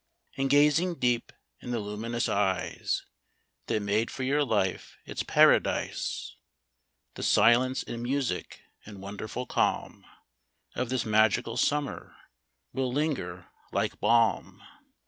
And gazing deep in the luminous eyes That made for your life its paradise, — The silence and music and wonderful calm Of this magical summer will linger like balm, — 62 SOMETIME.